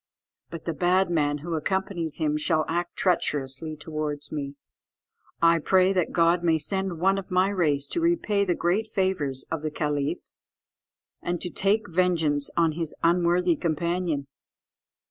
But the bad man who accompanies him shall act treacherously towards me. I pray that God may send one of my race to repay the great favours of the caliph, and to take vengeance on his unworthy companion.